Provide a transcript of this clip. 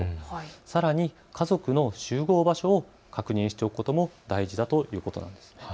さらに家族の集合場所を確認しておくことも大事だということです。